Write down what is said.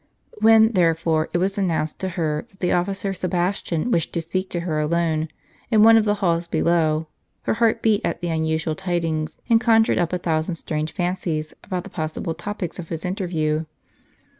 When, therefore, it was announced to her that the officer Sebastian wished to speak to her alone, in one of the halls below, her heart beat at the unusual tidings, and conjured up a thousand strange fancies, about the possible topics of his interview.